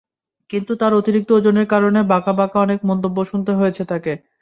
কিন্তু তাঁর অতিরিক্ত ওজনের কারণে বাঁকা বাঁকা অনেক মন্তব্য শুনতে হয়েছে তাঁকে।